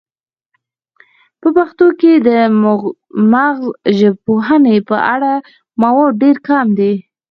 په پښتو کې د مغزژبپوهنې په اړه مواد ډیر کم دي